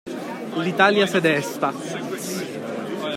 L'Italia s'è desta.